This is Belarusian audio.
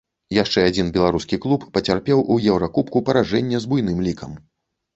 Яшчэ адзін беларускі клуб пацярпеў у еўракубку паражэнне з буйным лікам.